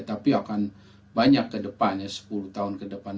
tapi akan banyak ke depannya sepuluh tahun ke depan